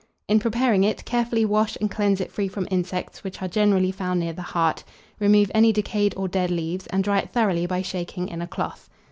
In preparing it, carefully wash and cleanse it free from insects, which are generally found near the heart; remove any decayed or dead leaves, and dry it thoroughly by shaking in a cloth.